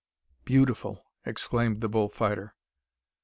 "Beautiful!" exclaimed the bull fighter.